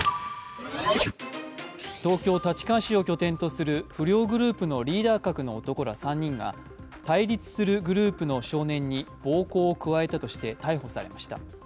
東京・立川市を拠点する不良グループのリーダー格の男ら３人が対立するグループの少年に暴行を加えたとして逮捕されました。